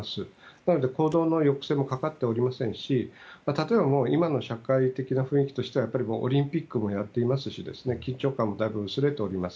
なので行動の抑制もかかっていませんし例えば、今の社会的な雰囲気としてはオリンピックもやっていますし、緊張感もだいぶ薄れております。